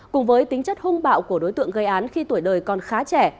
cùng với tính chất hung bạo của đối tượng gây án khi tuổi đời còn khá trẻ